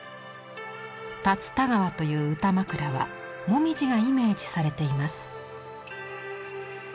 龍田川という歌枕は紅葉がイメージされています。